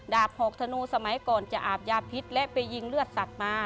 หอกธนูสมัยก่อนจะอาบยาพิษและไปยิงเลือดสัตว์มา